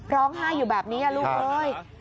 ร้องไห้อยู่แบบนี้ลูกเอ้ย